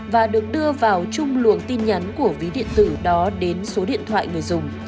và được đưa vào chung luồng tin nhắn của ví điện tử đó đến số điện thoại người dùng